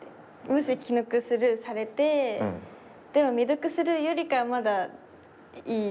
もし既読スルーされてでも未読スルーよりかはまだいい？